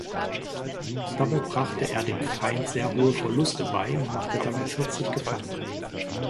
Dabei brachte er dem Feind sehr hohe Verluste bei und machte dabei vierzig Gefangene.